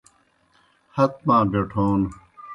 ہت پاں بیٹھون